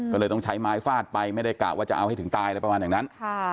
ก็เลยต้องใช้ไม้ฟาดไปไม่ได้กะว่าจะเอาให้ถึงตายอะไรประมาณอย่างนั้น